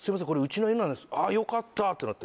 「あっよかった」ってなって。